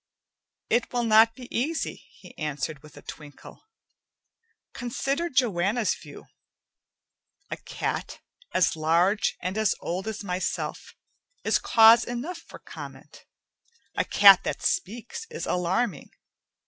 "It will not be easy," he answered with a twinkle. "Consider Joanna's view. A cat as large and as old as myself is cause enough for comment. A cat that speaks is alarming.